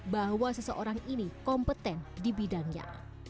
bahwa seseorang ini kompeten di bidangnya